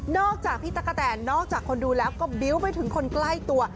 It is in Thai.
จากพี่ตะกะแตนนอกจากคนดูแล้วก็บิ้วไปถึงคนใกล้ตัว